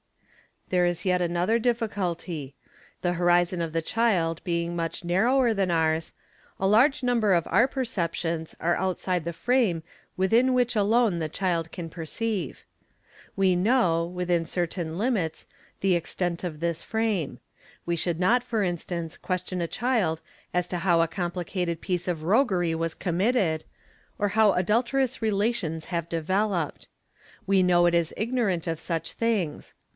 There is yet another difficulty ; the horizon of the child being mel narrower than ours, a large number of our perceptions are outside the frame within which alone the child can perceive. We know, within certain limits, the extent of this frame; we should not for instance question a child as to how a complicated piece of roguery was committed, or how adulterous relations have developed; we know it is ignorant of such things.